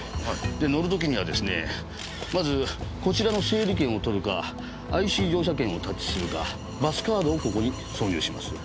で乗る時にはですねまずこちらの整理券を取るかＩＣ乗車券をタッチするかバスカードをここに挿入します。